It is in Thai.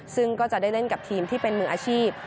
ซึ่งก็จะได้เล่นกับทีมที่เป็นมืออาชีพ